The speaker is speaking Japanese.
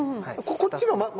こっちが前？